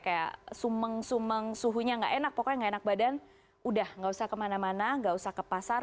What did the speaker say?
kayak sumeng sumeng suhunya nggak enak pokoknya nggak enak badan udah gak usah kemana mana gak usah ke pasar